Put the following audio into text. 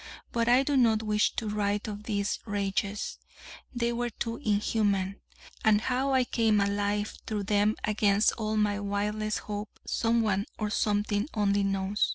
But I do not wish to write of these rages: they were too inhuman: and how I came alive through them against all my wildest hope, Someone, or Something, only knows.